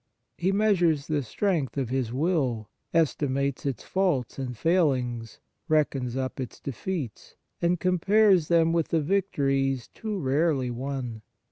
He measures the strength of his will, estimates its faults and failings, reckons up its defeats, and compares them with the victories too rarely won.